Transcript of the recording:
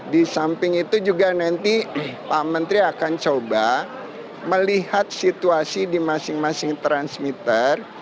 di samping itu juga nanti pak menteri akan coba melihat situasi di masing masing transmitter